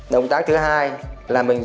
động tác thứ hai là mình dùng